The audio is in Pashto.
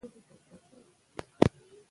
وادي د افغانستان د سیاسي جغرافیه برخه ده.